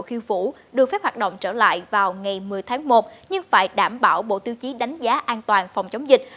khiêu phủ được phép hoạt động trở lại vào ngày một mươi tháng một nhưng phải đảm bảo bộ tiêu chí đánh giá an toàn phòng chống dịch